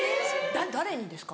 誰にですか？